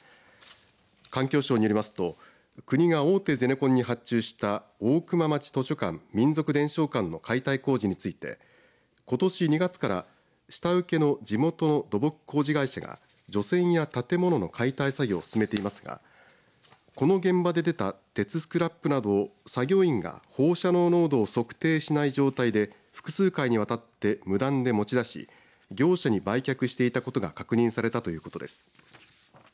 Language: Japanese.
環境省によりますと国が大手ゼネコンに発注した大熊町図書館・民俗伝承館の解体工事についてことし２月から下請けの地元の土木工事会社が除染や建物の解体作業を進めていますがこの現場で出た鉄スクラップなどを作業員が放射能濃度を測定しない状態で複数回にわたって無断で持ち出し業者に売却していたことが確認されたということです。